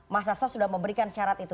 mas hasan sudah memberikan syarat itu